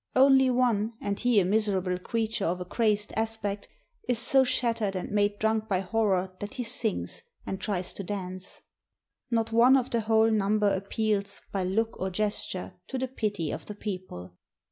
Only one, and he a mis erable creature of a crazed aspect, is so shattered and made drunk by horror that he sings, and tries to dance. Not one of the whole number appeals, by look or gesture, to the pity of the people.